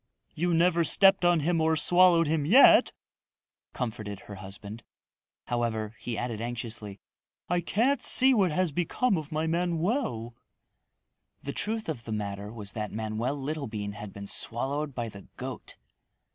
"You never stepped on him or swallowed him yet," comforted her husband. However, he added anxiously, "I can't see what has become of my Manoel." The truth of the matter was that Manoel Littlebean had been swallowed by the goat.